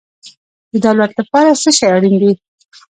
د دولت لپاره څه شی اړین دی؟